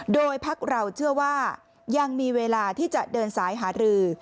โดยพักเราเชื่อว่ายังมีเวลาที่จะเดินสายหารือ